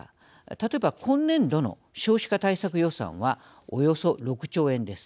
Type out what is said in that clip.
例えば、今年度の少子化対策予算はおよそ６兆円です。